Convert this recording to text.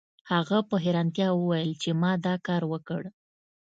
هغه په حیرانتیا وویل چې ما دا کار وکړ